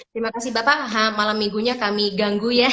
terima kasih bapak malam minggunya kami ganggu ya